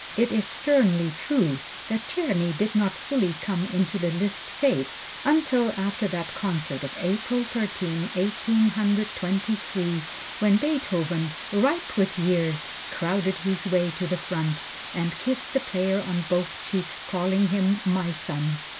It is sternly true that Czerny did not fully come into the Liszt faith until after that concert of April Thirteenth, Eighteen Hundred Twenty three, when Beethoven, ripe with years, crowded his way to the front and kissed the player on both cheeks, calling him "my son."